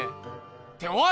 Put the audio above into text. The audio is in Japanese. っておい！